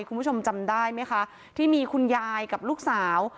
คุณผู้ชมจำได้ไหมคะที่มีคุณยายกับลูกสาว